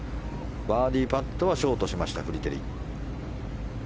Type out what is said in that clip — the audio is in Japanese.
バーディーパットはショートしました、フリテリ。